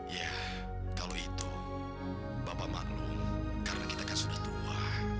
ya kalau itu bapak maklum karena kita kan sudah tua